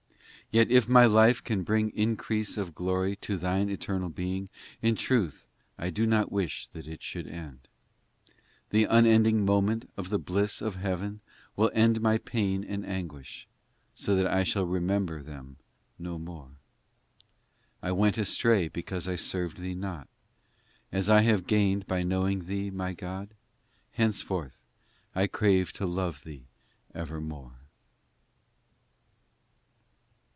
IX Yet if my life can bring increase of glory To thine eternal Being, In truth I do not wish that it should end. 296 POEMS X The unending moment of the bliss of heaven Will end my pain and anguish So that I shall remember them no more. XI I went astray because I served Thee not, As I have gained by knowing Thee, my God ! Henceforth I crave to love Thee ever more